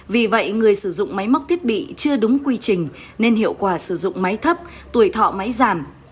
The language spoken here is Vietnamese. vì vậy người sử dụng máy móc thiết bị chưa đúng quy trình nên hiệu quả sử dụng máy thấp tuổi thọ máy giảm